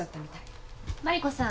マリコさん